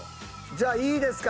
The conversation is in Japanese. じゃあいいですか？